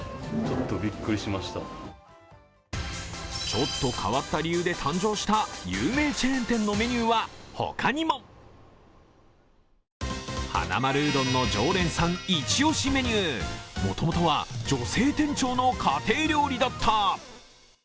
ちょっと変わった理由で誕生した有名チェーン店のメニューはほかにも。はなまるうどんの常連さん一押しメニューもともとは女性店長の家庭料理だった？